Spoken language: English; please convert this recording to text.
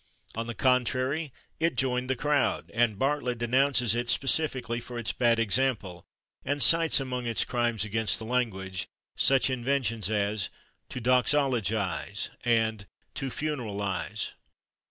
On the contrary, it joined the crowd, and Bartlett denounces it specifically for its bad example, and cites, among its crimes against the language, such inventions as /to doxologize/ and /to funeralize